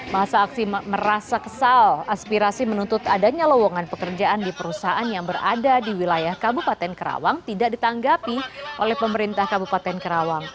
masa aksi merasa kesal aspirasi menuntut adanya lowongan pekerjaan di perusahaan yang berada di wilayah kabupaten karawang tidak ditanggapi oleh pemerintah kabupaten karawang